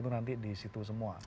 itu nanti di situ semua